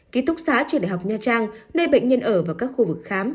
ký túc xá trường đại học nha trang nơi bệnh nhân ở vào các khu vực khám